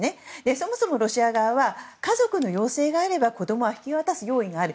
そもそもロシア側は家族の要請があれば子供は引き渡す用意がある。